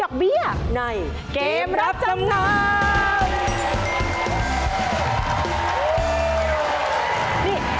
เก็บรับจำนำ